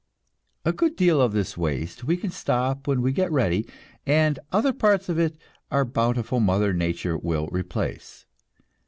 A good deal of this waste we can stop when we get ready, and other parts of it our bountiful mother nature will replace.